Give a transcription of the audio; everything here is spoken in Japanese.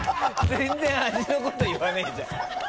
全然味のこと言わねぇじゃん。